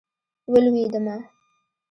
ولوېدمه.